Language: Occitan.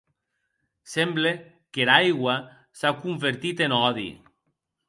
Semble qu’era aigua s’a convertit en òdi.